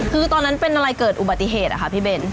คือตอนนั้นเป็นอะไรเกิดอุบัติเหตุอะค่ะพี่เบน